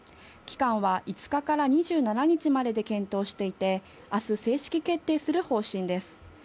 期間は５日から２７日までで検討していて、あす正式決定する方針です。